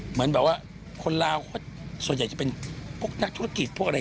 เหมือนแบบว่าคนลาวเขาส่วนใหญ่จะเป็นพวกนักธุรกิจพวกอะไร